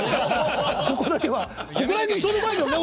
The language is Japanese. ここだけは。